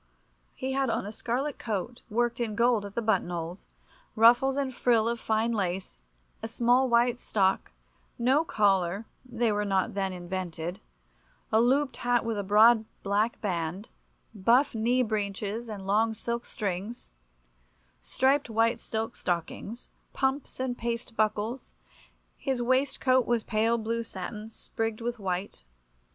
He had on a scarlet coat worked in gold at the buttonholes, ruffles and frill of fine lace, a small white stock, no collar (they were not then invented), a looped hat with a broad black band, buff knee breeches and long silk strings, striped white silk stockings, pumps and paste buckles; his waistcoat was pale blue satin, sprigged with white.